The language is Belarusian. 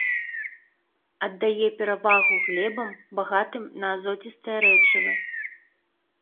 Аддае перавагу глебам, багатым на азоцістыя рэчывы.